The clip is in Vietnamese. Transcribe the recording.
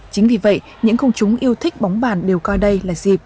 chính vì vậy những công chúng yêu thích bóng bàn đều coi đây là dịp